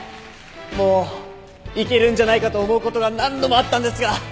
もういけるんじゃないかと思うことが何度もあったんですが。